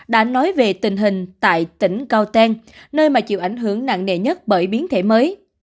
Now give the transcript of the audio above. đã nói về tình hình tại tỉnh cao teng nơi mà chịu ảnh hưởng nặng nề nhất bởi biến thể mới